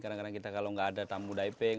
kadang kadang kita kalau nggak ada tamu diving